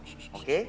buat gua oke